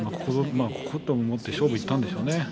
ここと思って勝負にいったんでしょうね。